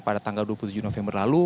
pada tanggal dua puluh tujuh november lalu